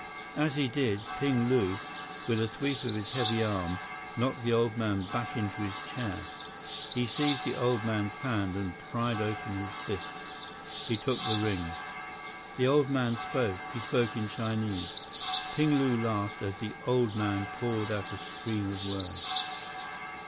As he did, Ping Lu, with a sweep of his heavy arm, knocked the old man back into his chair. He seized the old man's hand, and pried open his fist. He took the ring. The old man spoke. He spoke in Chinese. Ping Lu laughed as the old man poured out a stream of words.